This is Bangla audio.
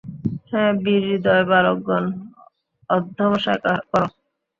হে বীরহৃদয় বালকগণ, অধ্যবসায় কর।